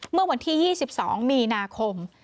เมื่อวันที่๒๒มีนาคม